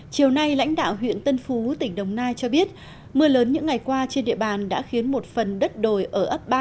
chiều nay lãnh đạo huyện tân phú tỉnh đồng nai cho biết mưa lớn những ngày qua trên địa bàn đã khiến một phần đất đồi ở ấp ba